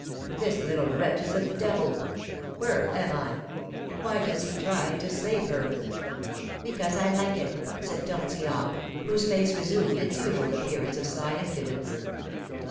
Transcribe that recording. "This little wretch is a devil! Where am I? Why does he try to save her?" "Because I like it," said Tortillard, whose face resumed its usual appearance of sly impudence.